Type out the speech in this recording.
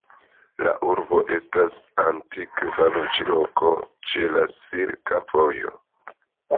La urbo estas antikva loĝloko ĉe la Silka Vojo.